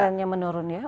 trendnya menurun ya